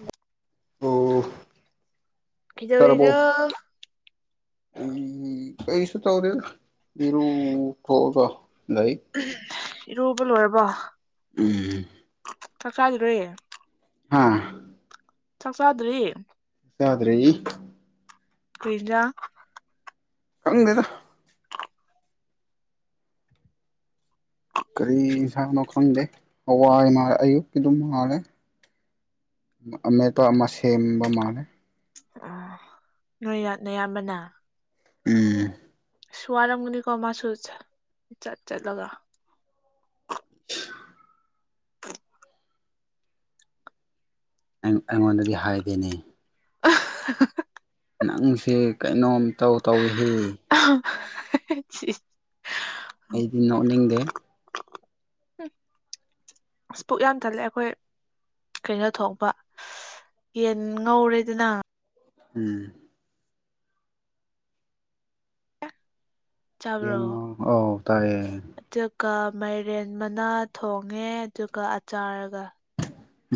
ꯎꯝ ꯑꯣ ꯀꯩꯗꯧꯔꯤꯅꯣ ꯂꯤꯔꯤ ꯂꯤꯔꯤ ꯀꯔꯤꯁꯨ ꯇꯧꯗꯦꯗ ꯏꯔꯨ ꯊꯣꯛꯑꯒ ꯂꯩ ꯏꯔꯨꯕ ꯂꯣꯏꯔꯕꯣ ꯎꯝ ꯆꯥꯛ ꯆꯥꯗ꯭ꯔꯤ ꯍꯥ ꯆꯥꯛ ꯆꯥꯗ꯭ꯔꯤ ꯆꯥꯗ꯭ꯔꯤ ꯀꯩ ꯏꯟꯖꯥꯡ ꯀꯪꯗꯦꯗ ꯀꯔꯤ ꯏꯟꯁꯥꯡꯅꯣ ꯈꯪꯗꯦ ꯍꯋꯥꯏ ꯃꯥ ꯑꯌꯨꯛꯀꯤ ꯗꯨꯝ ꯃꯥꯜꯂꯦ ꯑꯃꯦꯠꯄ ꯑꯃ ꯁꯦꯝꯕ ꯃꯥꯜꯂꯦ ꯑꯥ ꯅꯣꯏꯌꯥꯠ ꯅꯌꯥꯝꯕꯅ ꯎꯝ ꯏꯁ ꯋꯥꯔꯝꯒꯅꯤꯀꯣ ꯃꯥꯁꯨ ꯁꯥ ꯆꯠ ꯆꯠꯂꯒ [inaudible] ꯑꯩ ꯑꯩꯉꯣꯟꯗꯗꯤ ꯍꯥꯏꯗꯦꯅꯤ [unintelligible] ꯅꯪꯁꯦ ꯀꯩꯅꯣꯝꯇꯧ ꯇꯧꯋꯦꯍꯦ ꯍ ꯍ ꯏꯁ ꯑꯩꯗꯤ ꯅꯣꯛꯅꯤꯡꯗꯦ ꯍꯝ ꯑꯁ ꯄꯨꯛ ꯌꯥꯝ ꯊꯜꯂꯦ ꯑꯩꯈꯣꯏ ꯀꯩꯅꯣ ꯊꯣꯡꯄ ꯌꯦꯟ ꯉꯧꯔꯦꯗꯅ ꯎꯝ ꯌꯦꯟ ꯆꯥꯕ꯭ꯔꯣ ꯉꯧ ꯑꯧ ꯇꯥꯏꯌꯦ ꯀ ꯃꯥꯏꯔꯦꯟ ꯃꯅꯥ ꯊꯣꯡꯉꯦ ꯑꯗꯨꯒ ꯑꯆꯥꯔ ꯒ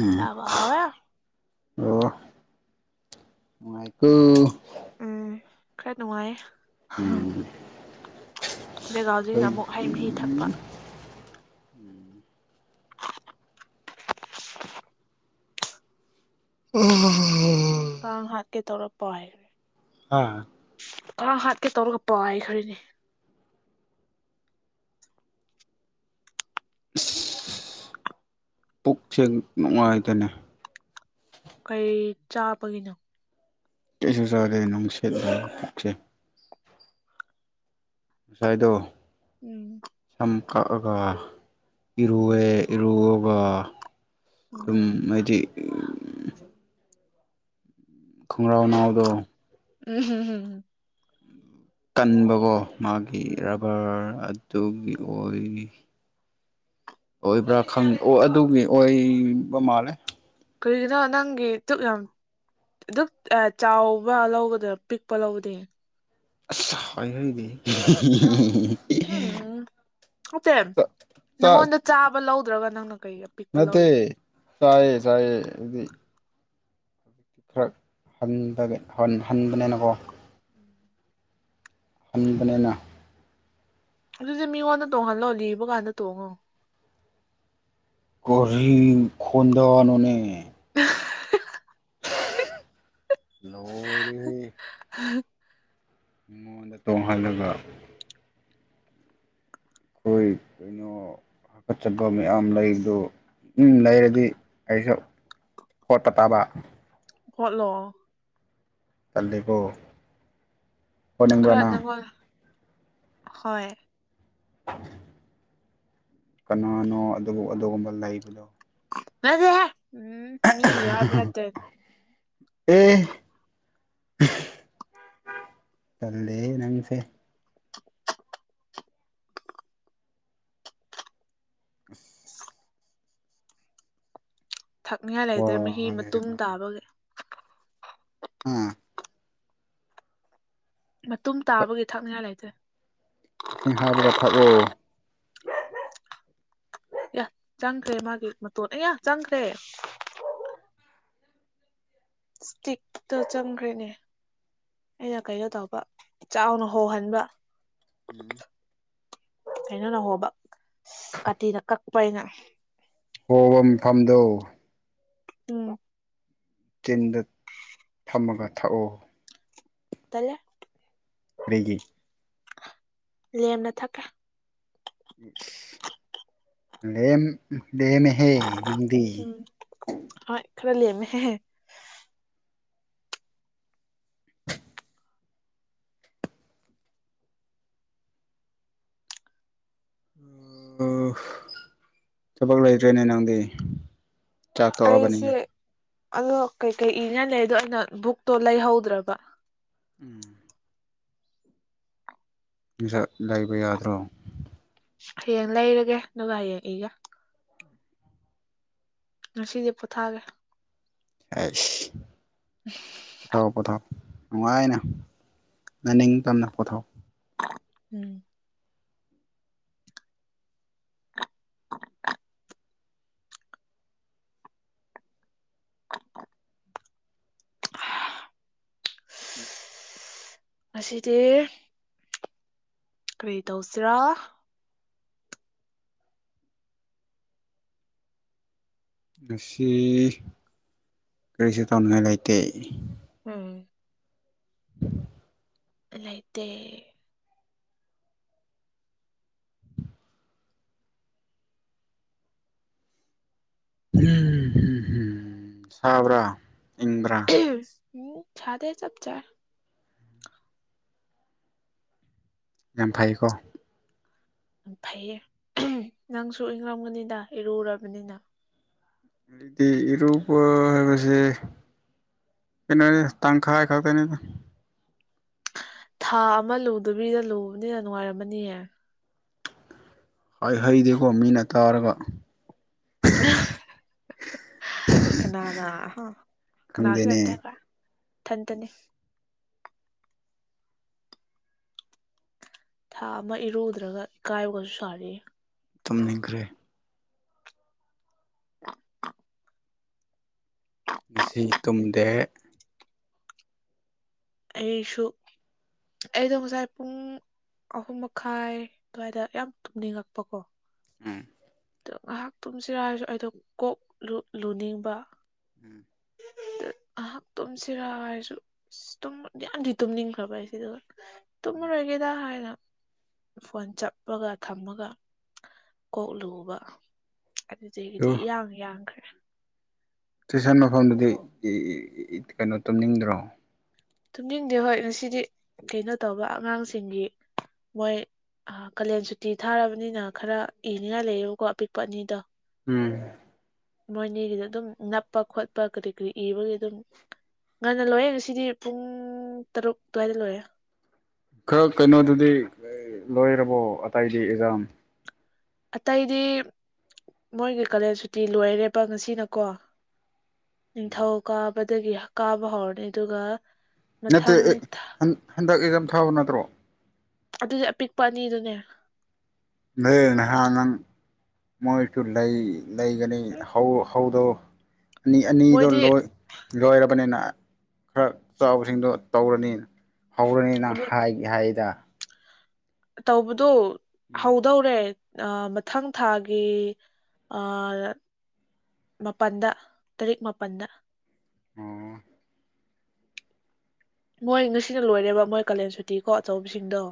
ꯎꯝ ꯆꯥꯕ ꯍꯥꯎ ꯑꯦ ꯑꯣ ꯅꯨꯡꯉꯥꯏꯀꯣ ꯈꯥꯔ ꯅꯨꯡꯉꯥꯏꯑꯦ ꯎꯝ ꯂꯦꯒꯥꯎꯖꯤꯗ ꯑꯩ ꯑꯃꯨꯛ ꯍꯩ ꯃꯍꯤ ꯊꯛꯄ [inaudible] ꯑꯍꯥꯍꯥ ꯀꯥꯡ ꯍꯥꯠ ꯀꯦ ꯇꯧꯔ ꯄꯥꯏꯈ꯭ꯔꯦ ꯍꯥ ꯀꯥꯡ ꯍꯥꯠꯀꯦ ꯇꯧꯔꯒ ꯄꯥꯏꯈꯔꯦꯅꯦ ꯏꯁ ꯄꯨꯛꯁꯦ ꯅꯨꯡꯉꯥꯏꯇꯦꯅꯦ ꯀꯩ ꯆꯥꯕꯒꯤꯅꯣ ꯀꯩꯁꯨ ꯆꯗꯦ ꯅꯨꯡꯁꯤꯠꯅꯦ ꯄꯨꯛꯁꯦ ꯉꯁꯥꯏꯗꯣ ꯎꯝ ꯁꯝ ꯀꯛꯑꯒ ꯏꯔꯨꯑꯦ ꯏꯔꯨꯑꯒ ꯗꯨꯝ ꯎꯝ ꯅꯣꯏꯗꯤ ꯈꯣꯡꯒ꯭ꯔꯥꯎ ꯅꯥꯎꯗꯣ ꯎꯝ ꯇꯟꯕꯀꯣ ꯃꯥꯒꯤ ꯎꯝ ꯔꯥꯕꯔ ꯑꯗꯨꯒꯤ ꯋꯥꯔꯤ ꯑꯣꯏꯕ꯭ꯔꯥ ꯈꯪ ꯑꯣ ꯑꯗꯨꯒꯤ ꯑꯣꯏꯕ ꯃꯥꯜꯂꯦ ꯀꯔꯤꯒꯤꯔꯥ ꯅꯪꯒꯤ ꯗꯨꯛ ꯌꯥꯝ ꯑꯗꯨꯛ ꯆꯥꯎꯕ ꯂꯧꯕ ꯄꯤꯛꯄ ꯂꯧꯕꯗꯤ ꯑꯁ ꯍꯥꯏꯍꯩꯗꯦꯍꯦ ꯍꯤ ꯍꯤ ꯍꯝ ꯎꯝ ꯅꯠꯇꯦ ꯅꯪꯉꯣꯟꯗ ꯆꯥꯕ ꯂꯧꯗ꯭ꯔꯒ ꯅꯪꯅ ꯀꯩ ꯑꯄꯤꯛꯄ ꯅꯠꯇꯦ ꯂꯧꯔꯤꯅꯣ ꯆꯥꯏ ꯆꯥꯏ ꯑꯗꯨꯗꯤ ꯈꯥꯔ ꯍꯟꯗ ꯍꯟꯕꯅꯤꯅꯀꯣ ꯍꯟꯕꯅꯤꯅ ꯑꯗꯨꯗꯤ ꯃꯤꯉꯣꯟꯗ ꯇꯣꯡꯍꯜꯂꯣ ꯂꯤꯕ ꯀꯥꯟꯗ ꯇꯣꯡꯉꯣ ꯀꯔꯤ ꯈꯣꯟꯗꯥꯥ ꯅꯣꯅꯦ ꯍꯥꯍ ꯂꯣꯏꯔꯦꯍꯦ ꯃꯤꯉꯣꯟꯗ ꯇꯣꯡꯍꯜꯂꯒ ꯈꯣꯏ ꯀꯩꯅꯣ ꯍꯥꯀꯠꯆꯥꯕ ꯃꯌꯥꯝ ꯂꯩꯕꯗꯣ ꯎꯝ ꯂꯩꯔꯗꯤ ꯑꯩꯁꯨ ꯍꯣꯠꯄ ꯇꯥꯕ ꯍꯣꯠꯂꯣ ꯇꯜꯂꯦꯀꯣ ꯍꯣꯠꯅꯤꯡꯕ꯭ꯔꯥ ꯈꯥꯔ ꯅꯪ ꯑꯗꯨꯝ ꯍꯣꯠ ꯍꯣꯏ [inaudible] ꯀꯅꯥꯅꯣ ꯑꯗꯨꯕꯨ ꯑꯗꯨꯒꯨꯝꯕ ꯂꯩꯕꯗꯣ ꯂꯩꯇꯦꯍꯦ ꯎꯝ ꯃꯤꯒꯤ ꯍꯥꯏꯕ ꯅꯠꯇꯦ ꯑꯦ ꯇꯜꯂꯦꯍꯦ ꯅꯪꯁꯦ ꯏꯁ ꯊꯛꯅꯤꯉꯥꯏ ꯋꯥ ꯂꯩꯇ꯭ꯔꯦ ꯃꯍꯤ ꯃꯇꯨꯝ ꯇꯥꯕꯒꯤ ꯎꯝ ꯃꯇꯨꯝ ꯇꯥꯕꯒꯤ ꯊꯛꯅꯤꯡꯉꯥꯏ ꯂꯩꯇꯦ ꯏꯁꯤꯡ ꯍꯥꯞꯄꯒ ꯊꯛꯑꯣ ꯌꯥ ꯆꯪꯈ꯭ꯔꯦ ꯃꯥꯒꯤ ꯃꯇꯣꯟ ꯑꯌꯥ ꯆꯪꯈ꯭ꯔꯦ ꯁ꯭ꯇꯤꯛꯇꯣ ꯆꯪꯈ꯭ꯔꯦꯅꯦ ꯑꯩꯅ ꯀꯩꯅꯣ ꯇꯧꯕ ꯆꯥꯎꯅ ꯍꯣꯍꯟꯕ ꯎꯝ ꯀꯩꯅꯣꯅ ꯍꯣꯕꯥ ꯏꯁ ꯀꯥꯇꯤꯅ ꯀꯛꯄ ꯑꯩꯅ ꯍꯣꯐꯝ ꯐꯝꯗꯣ ꯎꯝ ꯆꯤꯟꯗ ꯊꯝꯃꯒ ꯊꯥꯛꯑꯣ ꯇꯜꯂꯦ ꯀꯔꯤꯒꯤ ꯂꯦꯝꯅ ꯊꯛꯀꯦ ꯏꯁ ꯂꯦꯝ ꯂꯦꯝꯃꯦꯍꯦ ꯅꯪꯗꯤ ꯈꯥꯔ ꯂꯦꯝꯃꯦ ꯍꯦ ꯍꯦ ꯑꯣ ꯊꯕꯛ ꯂꯩꯇ꯭ꯔꯦꯅꯦ ꯅꯪꯗꯤ ꯆꯥꯛ ꯑꯩꯁꯦ ꯇꯣꯛꯑꯕꯅꯤꯅ ꯑꯗꯣ ꯀꯩꯀꯩ ꯏꯟꯅꯥ ꯂꯩꯗꯣ ꯑꯗꯣ ꯑꯩꯅ ꯕꯨꯛꯇꯣ ꯂꯩꯍꯧꯗ꯭ꯔꯕ ꯎꯝ ꯕꯤꯔꯛ ꯂꯩꯕ ꯌꯥꯗ꯭ꯔꯣ ꯍꯌꯦꯡ ꯂꯩꯔꯒꯦ ꯗꯨꯒ ꯍꯌꯦꯡ ꯏꯒꯦ ꯉꯁꯤꯗꯤ ꯄꯣꯊꯒꯦ ꯑꯩꯁ ꯄꯣꯊꯥꯎ ꯄꯣꯊꯥꯎ ꯅꯨꯡꯉꯥꯏꯅ ꯅꯅꯤꯡꯇꯝꯅ ꯄꯣꯊꯥꯎ ꯎꯝ [inaudible] ꯍꯥ ꯏꯁ ꯉꯁꯤꯗꯤ ꯀꯔꯤ ꯇꯧꯁꯤꯔ ꯉꯁꯤ ꯀꯔꯤꯁꯨ ꯇꯧꯅꯤꯡꯉꯥꯏ ꯂꯩꯇꯦ ꯎꯝ [inaudible] ꯂꯩꯥꯇꯦ ꯎꯝꯍꯝ ꯁꯥꯕ꯭ꯔꯥ ꯏꯪꯕ꯭ꯔꯥ ꯎꯝ ꯁꯥꯗꯦ ꯆꯥꯞ ꯆꯥꯏ ꯌꯝ ꯐꯩꯀꯣ ꯐꯩꯌꯦ ꯅꯪꯁꯨ ꯏꯪꯉꯝꯒꯅꯤꯗ ꯏꯔꯨꯔꯕꯅꯤꯅ ꯗꯤ ꯏꯔꯨꯕ ꯍꯥꯏꯕꯁꯦ ꯀꯩꯅꯣꯅꯤ ꯇꯪꯈꯥꯏ ꯈꯛꯇꯅꯤꯗ ꯊꯥ ꯑꯃ ꯂꯨꯗꯕꯤꯗ ꯂꯨꯕꯅꯤꯅ ꯅꯨꯡꯉꯥꯏꯔꯝꯃꯅꯤꯌꯦ ꯍꯥꯏꯍꯩꯗꯦꯀꯣ ꯃꯤꯅ ꯇꯥꯔꯒ ꯑꯍ ꯍꯥꯍꯥ ꯀꯅꯥꯅ ꯀꯅꯥꯁꯨ ꯈꯪꯗꯦꯅꯦ ꯂꯩꯇꯦ ꯏꯊꯟꯇꯅꯤ ꯊꯥ ꯑꯃ ꯏꯔꯨꯗ꯭ꯔꯒ ꯏꯀꯥꯏꯕꯒꯁꯨ ꯁꯥꯔꯤꯌꯦ ꯇꯨꯝꯅꯤꯡꯈ꯭ꯔꯦ [inaudible] ꯉꯁꯤ ꯇꯨꯝꯗꯦ ꯑꯩꯁꯨ ꯑꯩꯗꯣ ꯉꯁꯥꯏ ꯄꯨꯡ ꯑꯍꯨꯝ ꯃꯈꯥꯏ ꯑꯗꯨꯋꯥꯏꯗ ꯌꯥꯝ ꯇꯨꯝꯅꯤꯡꯉꯛꯄꯀꯣ ꯎꯝ ꯑꯗꯣ ꯉꯍꯥꯛ ꯇꯨꯝꯁꯤꯔ ꯍꯥꯏꯁꯨ ꯑꯩꯗꯣ ꯀꯣꯛ ꯂꯨ ꯂꯨꯅꯤꯡꯕ ꯎꯝ ꯑꯥ ꯗꯨ ꯉꯍꯥꯛ ꯇꯨꯝꯁꯤꯔꯥ ꯍꯥꯏꯔꯁꯨ ꯏꯁ ꯇꯨꯝꯕꯗꯤ ꯌꯝ ꯇꯨꯝꯅꯤꯡꯈ꯭ꯔꯕ ꯑꯩꯁꯤ ꯗꯨꯒ ꯎꯝ ꯇꯨꯝꯃꯔꯣꯏꯒꯦꯗ ꯍꯥꯏꯅ ꯐꯣꯟ ꯆꯞꯄꯒ ꯊꯝꯃꯒ ꯀꯣꯛ ꯂꯨꯕ ꯑꯗꯨ ꯑꯗꯨꯗꯒꯤꯗꯤ ꯏꯌꯥꯡ ꯌꯥꯡꯈ꯭ꯔꯦ ꯇꯨꯏꯁꯟ ꯃꯐꯝꯗꯗꯤ ꯏ ꯏ ꯏ ꯀꯩꯅꯣ ꯇꯨꯝꯅꯤꯡꯗ꯭ꯔꯣ ꯇꯨꯝꯅꯤꯡꯟꯗꯦ ꯍꯣꯏ ꯉꯁꯤꯗꯤ ꯀꯩꯅꯣ ꯇꯧꯕ ꯑꯉꯥꯡꯁꯤꯡꯒꯤ ꯃꯣꯏ ꯀꯥꯂꯦꯟ ꯁꯨꯇꯤ ꯊꯥꯔꯕꯅꯤꯅ ꯈꯔ ꯏꯅꯤꯡꯉꯥꯏ ꯂꯩꯌꯦꯕꯀꯣ ꯑꯄꯤꯛꯄ ꯑꯅꯤꯗꯣ ꯎꯝ ꯃꯣꯏꯅꯤꯗꯤ ꯑꯗꯨꯝ ꯅꯞꯄ ꯈꯣꯠꯄ ꯀꯔꯤ ꯀꯔꯤ ꯏꯕꯒꯤ ꯑꯗꯨꯝ ꯉꯟꯅ ꯂꯣꯏꯌꯦ ꯉꯁꯤꯗꯤ ꯄꯨꯡ ꯇꯔꯨꯛ ꯑꯗꯨꯋꯥꯏꯗ ꯂꯣꯏꯌꯦ ꯈꯔ ꯀꯩꯅꯣꯗꯨꯗꯤ ꯂꯣꯏꯔꯕꯣ ꯑꯇꯩꯗꯤ ꯑꯦꯛꯖꯥꯝ ꯑꯇꯩꯗꯤ ꯃꯣꯏꯒꯤ ꯀꯥꯂꯦꯟ ꯁꯨꯇꯤ ꯂꯣꯏꯔꯦꯕ ꯉꯁꯤꯅꯀꯣ ꯅꯤꯡꯊꯧ ꯀꯥꯕꯗꯒꯤ ꯀꯥꯕ ꯍꯧꯔꯅꯤ ꯑꯗꯨꯒ ꯅꯠꯇꯦ ꯃꯊꯪ ꯑꯦ ꯍꯟ ꯍꯟꯗꯛ ꯑꯦꯛꯖꯝ ꯊꯥꯕ ꯅꯠꯇ꯭ꯔꯣ ꯑꯗꯨꯗꯤ ꯑꯄꯤꯛꯄ ꯑꯅꯤꯗꯨꯅꯦ ꯂꯩ ꯅꯍꯥꯟ ꯅꯪ ꯃꯣꯏꯁꯨ ꯂꯩ ꯂꯩꯒꯅꯤ ꯎꯝ ꯍꯧ ꯍꯧꯗꯣ ꯑꯅꯤ ꯑꯅꯤꯗꯣ ꯃꯣꯏꯗꯤ ꯂꯥꯥꯣꯏ ꯂꯣꯏꯔꯕꯅꯤꯅ ꯈꯔ ꯆꯥꯎꯕꯁꯤꯡꯗꯣ ꯇꯧꯔꯅꯤꯅ ꯍꯧꯔꯅꯤꯅ ꯍꯥꯏꯗꯤ ꯍꯥꯏꯗ ꯇꯧꯕꯗꯨ ꯍꯧꯗꯧꯔꯦ ꯑꯥ ꯃꯊꯪ ꯊꯥꯒꯤ ꯑꯥ ꯃꯥꯄꯜꯗ ꯇꯔꯦꯠ ꯃꯥꯄꯜꯗ ꯑꯣ ꯃꯣꯏ ꯉꯁꯤꯅ ꯂꯣꯏꯔꯦꯕ ꯃꯣꯏ ꯀꯥꯂꯦꯟ ꯁꯨꯇꯤꯀꯣ ꯑꯆꯧꯕꯁꯤꯡꯗꯣ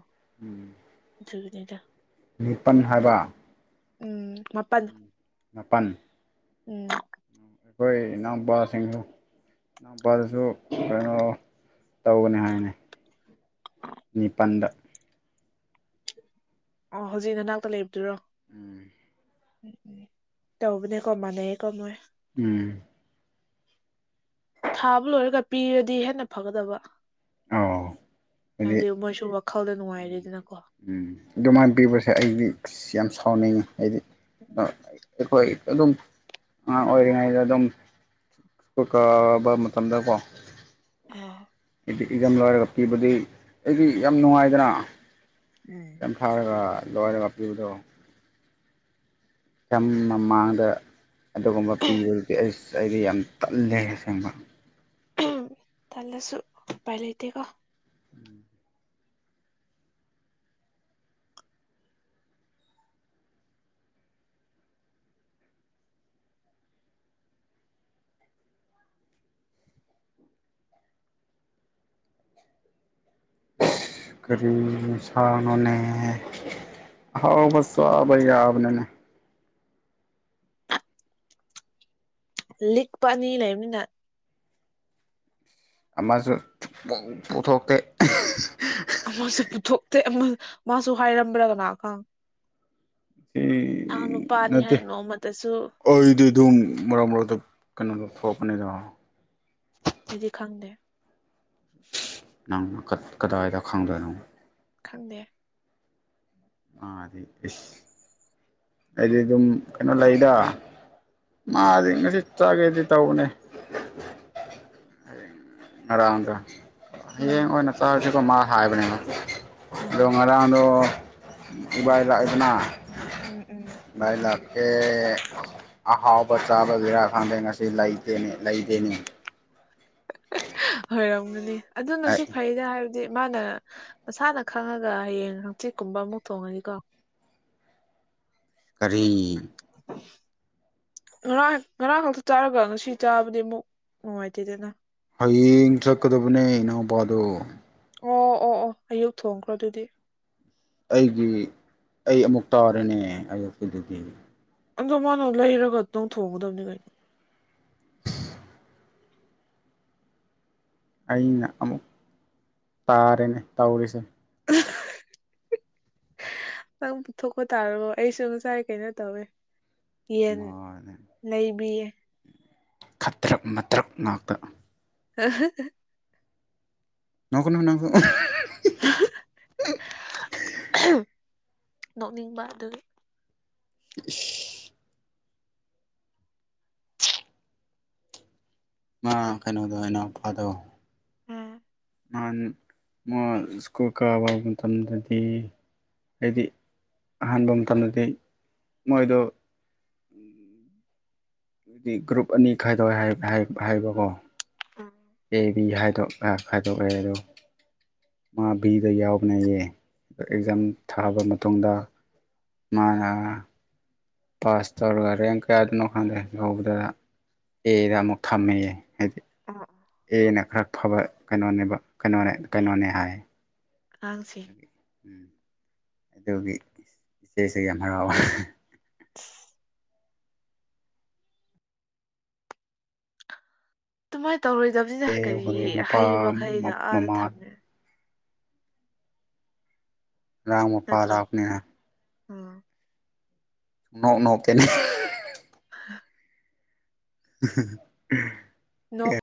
ꯎꯝ ꯗꯨꯗꯨꯅꯤꯗ ꯅꯤꯄꯟ ꯍꯥꯏꯕ ꯎꯝ ꯃꯥꯄꯟ ꯃꯥꯄꯟ ꯎꯝ ꯑꯩꯈꯣꯏ ꯏꯅꯥꯎꯄꯥꯁꯤꯡ ꯏꯅꯥꯎꯄꯥꯗꯨꯁꯨ ꯀꯩꯅꯣ ꯇꯧꯒꯅꯤ ꯍꯥꯏꯅꯦ ꯅꯤꯄꯥꯟꯗ ꯑꯣ ꯍꯧꯖꯤꯛ ꯅꯅꯥꯛꯇ ꯂꯩꯕꯗꯨꯔꯣ ꯎꯝ ꯇꯧꯕꯅꯦ ꯀꯣ ꯃꯥꯅꯩꯌꯦꯀꯣ ꯃꯣꯏ ꯎꯝ ꯊꯥꯕ ꯂꯣꯏꯔꯒ ꯄꯤꯔꯗꯤ ꯍꯦꯟꯅ ꯐꯒꯗꯕ ꯑꯧ ꯍꯥꯏꯗꯤ ꯍꯥꯏꯕꯗꯤ ꯃꯣꯏꯁꯨ ꯋꯥꯈꯜꯗ ꯅꯨꯡꯉꯥꯏꯔꯦꯗꯅ ꯎꯝ ꯑꯗꯨꯃꯥꯏꯅ ꯄꯤꯕꯁꯦ ꯑꯩꯗꯤ ꯌꯥꯝ ꯁꯥꯎꯅꯤꯡꯉꯤ ꯑꯩꯗꯤ ꯑꯩꯈꯣꯏ ꯑꯥꯗꯨꯝ ꯑꯥꯉꯥꯡ ꯑꯣꯏꯔꯤꯉꯩꯗ ꯗꯨꯝ [unintelligible] ꯃꯇꯝꯗꯀꯣ [unintelligible] ꯑꯦꯛꯖꯝ ꯂꯣꯏꯔꯒ ꯄꯤꯕꯗꯤ ꯑꯩꯗꯤ ꯌꯥꯝ ꯅꯨꯡꯉꯥꯏꯗꯅ ꯎꯝ ꯌꯥꯝ ꯊꯥꯔꯒ ꯂꯣꯏꯂꯒ ꯄꯤꯕꯗꯣ ꯌꯥꯝ ꯃꯃꯥꯡꯗ ꯑꯗꯨꯒꯨꯝꯕ ꯄꯤꯕꯗꯤ ꯑꯁ ꯑꯩꯗꯤ ꯌꯥꯝ ꯇꯜꯂꯦ ꯊꯦꯡꯕ ꯎꯝ ꯇꯜꯂꯁꯨ ꯎꯄꯥꯏ ꯂꯩꯇꯦꯀꯣ ꯀꯔꯤ ꯅꯤꯁꯥꯅꯣꯅꯦ ꯑꯦ ꯑꯥꯍꯥꯎꯕ ꯆꯥꯕ ꯌꯥꯕꯅꯦꯅꯦ ꯂꯤꯛꯄ ꯑꯥꯅꯤ ꯂꯩꯕꯅꯤꯅ ꯑꯥꯃꯁꯨ ꯄꯨ ꯄꯨꯊꯣꯛꯇꯦ ꯑꯥꯃꯁꯨ ꯄꯨꯊꯣꯛꯇꯦ ꯑꯥꯃ ꯃꯥꯁꯨ ꯍꯥꯏꯔꯝꯕ꯭ꯔꯥꯀꯅꯥꯒ [unintelligible] ꯅꯠꯇꯦ ꯍꯥꯏꯅ ꯅꯣꯡꯃꯇꯁꯨ ꯑꯩꯗꯤ ꯗꯨꯝ ꯃꯔꯛ ꯃꯔꯛꯗ ꯀꯩꯅꯣꯗ ꯊꯣꯛꯄꯅꯤꯗꯣ ꯑꯩꯗꯤ ꯈꯪꯗꯦ ꯅꯪꯅ ꯀꯗꯥꯏꯗ ꯈꯪꯗꯣꯏꯅꯣ ꯈꯪꯗꯦ ꯃꯥꯗꯤ ꯏꯁ ꯑꯩꯗꯤ ꯗꯨꯝ ꯀꯩꯅꯣ ꯂꯩꯗ ꯃꯥꯗꯤ ꯉꯁꯤ ꯆꯥꯒꯦꯗꯤ ꯇꯧꯕꯅꯦ [unintelligible] ꯉꯔꯥꯡꯒ ꯍꯌꯦꯡ ꯎꯝ ꯑꯣꯏꯅ ꯆꯥꯔꯁꯤꯀꯣ ꯃꯥ ꯍꯥꯏꯕꯅꯦꯕ ꯑꯥꯗꯣ ꯎꯝ ꯉꯔꯥꯡꯗꯣ ꯎꯕꯥꯥꯏ ꯂꯥꯛꯏꯗꯅ ꯎꯝ ꯎꯝ ꯑꯦ ꯑꯥꯍꯥꯎꯕ ꯆꯥꯕ ꯒꯤꯔꯥ ꯈꯪꯗꯦ ꯉꯁꯤ ꯂꯩꯇꯦꯅꯦ ꯂꯩꯇꯦꯅꯦ ꯑꯣꯏꯔꯝꯒꯅꯤ ꯑꯗꯨꯅꯁꯨ ꯑꯩ ꯐꯩꯗ ꯍꯥꯏ ꯃꯥꯅ ꯃꯁꯥꯅ ꯈꯪꯉꯒ ꯍꯌꯦꯡ ꯍꯪꯆꯤꯠꯀꯨꯝꯕ ꯑꯃꯨꯛ ꯊꯣꯡꯉꯗꯤꯀꯣ ꯀꯔꯤ ꯉꯔꯥꯡ ꯉꯔꯥꯡ ꯈꯥꯛꯇ ꯆꯥꯔꯒ ꯉꯁꯤ ꯆꯥꯕꯗꯤ ꯃꯨꯛ ꯅꯨꯡꯉꯥꯏꯇꯦꯗꯅ ꯍꯌꯦꯡ ꯆꯠꯀꯗꯕꯅꯦ ꯏꯅꯥꯎꯄꯥꯗꯣ ꯑꯣ ꯑꯣ ꯑꯣ ꯑꯥꯌꯨꯛ ꯊꯣꯡꯈ꯭ꯔꯣ ꯑꯥꯗꯨꯗꯤ ꯑꯩꯒꯤ ꯑꯩ ꯑꯥꯃꯨꯛ ꯇꯥꯔꯅꯦ ꯑꯥꯌꯨꯛꯀꯤꯗꯨꯗꯤ ꯑꯥꯗꯣ ꯃꯥꯅ ꯂꯩꯔꯒ ꯅꯪ ꯊꯣꯡꯒꯗꯕꯅꯤ ꯀꯩꯅꯣ ꯑꯩꯅ ꯑꯥꯃꯨꯛ ꯇꯥꯔꯦꯅꯦ ꯇꯧꯔꯤꯁꯦ [unintelligible] ꯅꯪ ꯄꯨꯊꯣꯛꯄ ꯇꯥꯔꯕꯣ ꯑꯩꯁꯨ ꯉꯁꯥꯏ ꯀꯩꯅꯣ ꯇꯧꯋꯦ ꯌꯦꯟ ꯃꯥꯅꯦ ꯂꯩꯕꯤꯌꯦ ꯈꯠꯇ꯭ꯔꯛ ꯃꯇ꯭ꯔꯛ ꯉꯥꯛꯇ [unintelligible] ꯅꯣꯛ [unintelligible] [unintelligible] ꯅꯣꯛꯅꯤꯡꯕ ꯑꯥꯗꯨꯒꯤ ꯏꯁ ꯃꯥ ꯀꯩꯅꯣꯗꯣ ꯏꯅꯥꯎꯄꯥꯗꯣ ꯎꯝ ꯅꯍꯥꯟ ꯃꯥ ꯁ꯭ꯀꯨꯜ ꯀꯥꯕ ꯃꯇꯝꯗꯗꯤ ꯍꯥꯏꯗꯤ ꯑꯍꯥꯟꯕ ꯃꯇꯝꯗꯗꯤ ꯃꯣꯏꯗꯣ ꯑꯗꯨꯗꯤ ꯒ꯭ꯔꯨꯞ ꯑꯅꯤ ꯈꯥꯏꯗꯣꯛꯋꯦ ꯍꯥꯏꯕꯀꯣ ꯎꯝ ꯑꯦ ꯕꯤ ꯗꯣꯛ ꯈꯥꯏꯗꯣꯛꯑꯦ ꯎꯝ ꯑꯗꯣ ꯃꯥ ꯕꯤꯗ ꯌꯥꯎꯕꯅꯦꯌꯦ ꯑꯦꯛꯖꯥꯝ ꯎꯝ ꯊꯥꯕ ꯃꯇꯨꯡꯗ ꯃꯥꯅ ꯄꯥꯁ ꯇꯧꯔꯒ ꯔꯦꯡ ꯀꯌꯥꯗꯅꯣ ꯈꯪꯗꯦ ꯌꯧꯕꯗ ꯑꯦꯗ ꯑꯃꯨꯛ ꯊꯝꯃꯦꯌꯦ ꯍꯥꯏꯗꯤ ꯎꯝ ꯑꯦꯅ ꯈꯔ ꯐꯕ ꯀꯩꯅꯣꯅꯦꯕ ꯀꯩꯅꯣꯅꯦ ꯀꯩꯅꯣꯅꯦ ꯍꯥꯏ ꯑꯉꯥꯡꯁꯦ ꯎꯝ ꯑꯗꯨꯒꯤ ꯏꯆꯦꯁꯦ ꯌꯥꯝ ꯍꯔꯥꯎꯋꯦ ꯑꯗꯨꯃꯥꯏꯅ ꯇꯧꯔꯣꯏꯗꯕꯅꯤꯅ ꯑꯦ ꯀꯔꯤ ꯑꯩꯈꯣꯏꯒꯤ ꯃꯄꯥ ꯍꯩꯕꯈꯩꯩꯅ ꯑꯥꯗ ꯃꯃꯥ ꯊꯝꯃꯦ ꯅꯠꯇ꯭ꯔꯣ [unintelligible] ꯎꯝ ꯅꯣꯛ ꯅꯣꯛꯇꯦꯅꯦ [inaudible] [unintelligible] ꯅꯣꯛ